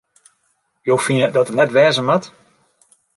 Jo fine dat it net wêze moat?